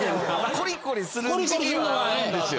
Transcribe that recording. コリコリする時期はあるんですよ。